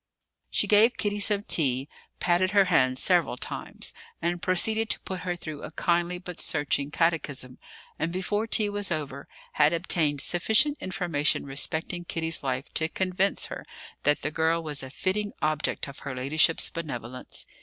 She gave Kitty some tea, patted her hand several times, and proceeded to put her through a kindly, but searching, catechism; and, before tea was over, had obtained sufficient information respecting Kitty's life to convince her that the girl was a fitting object of her ladyship's benevolence.